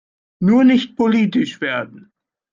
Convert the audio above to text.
Nur nicht politisch werden!